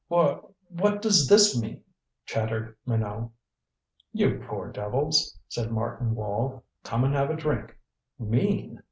"Wha what does this mean?" chattered Minot. "You poor devils," said Martin Wall. "Come and have a drink. Mean?"